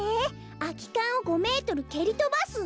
「空き缶を５メートル蹴りとばす」？